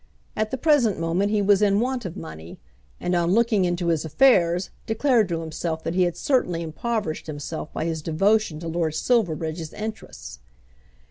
At the present moment he was in want of money, and on looking into his affairs declared to himself that he had certainly impoverished himself by his devotion to Lord Silverbridge's interests.